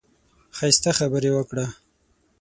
ښايسته خبرې وکړه.